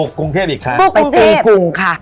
กวลุงเทพฯอีกค่ะไปปรูกรุงค่ะบุกรุงเทพฯ